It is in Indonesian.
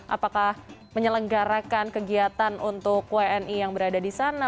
apakah menyelenggarakan kegiatan untuk wni yang berada di sana